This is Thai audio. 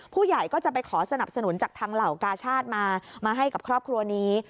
ผู้ใหญ่ก็จะไปขอสนับสนุนจากทางเหล่ากาชาติมามาให้กับครอบครัวนี้